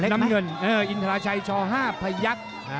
น้ำเงินอินทราชัยช๕พยักษ์